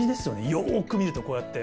よく見るとこうやって。